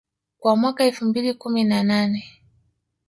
kwa mwaka elfu mbili kumi na nane